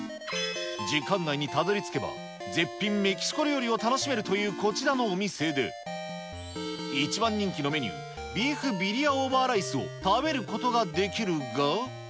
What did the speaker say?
時間内にたどりつけば、絶品メキシコ料理を楽しめるというこちらのお店で、一番人気のメニュー、ビーフビリアオーバーライスを食べることができるが。